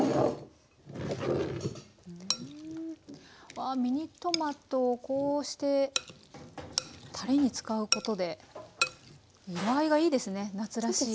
わあミニトマトをこうしてたれに使うことで見栄えがいいですね夏らしい。